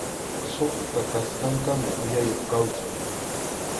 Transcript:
Suqta kasqankama uyayuq kawsay.